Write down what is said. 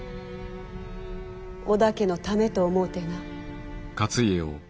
織田家のためと思うてな。